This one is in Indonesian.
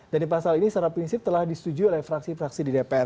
dan di pasal ini secara prinsip telah disetujui oleh fraksi fraksi di dpr